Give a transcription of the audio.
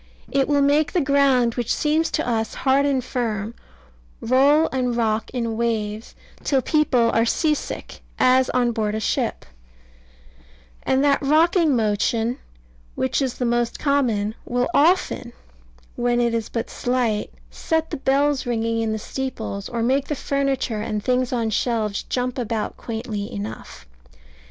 It will make the ground, which seems to us so hard and firm, roll and rock in waves, till people are sea sick, as on board a ship; and that rocking motion (which is the most common) will often, when it is but slight, set the bells ringing in the steeples, or make the furniture, and things on shelves, jump about quaintly enough.